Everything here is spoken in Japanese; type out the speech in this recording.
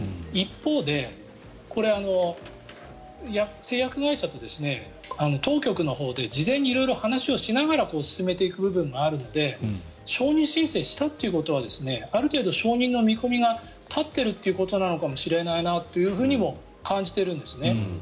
一方で、これ製薬会社と当局のほうで事前に色々話をしながら進めていく部分があるので承認申請したということはある程度承認の見込みが立っているということなのかもしれないなと感じているんですね。